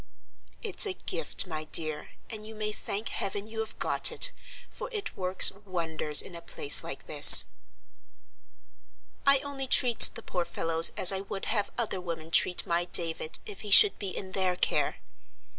It's a gift, my dear, and you may thank heaven you have got it, for it works wonders in a place like this." "I only treat the poor fellows as I would have other women treat my David if he should be in their care.